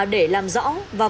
đây là táo nơ